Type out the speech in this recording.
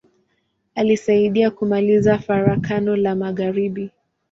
Alisaidia kumaliza Farakano la magharibi.